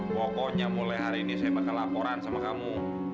pokoknya mulai hari ini saya bakal laporan sama kamu